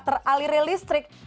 terlalu banyak listrik